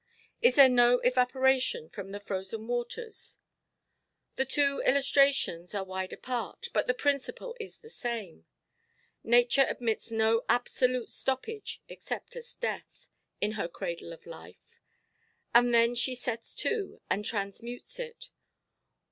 Is there no evaporation from the frozen waters? The two illustrations are wide apart, but the principle is the same. Nature admits no absolute stoppage, except as death, in her cradle of life; and then she sets to, and transmutes it.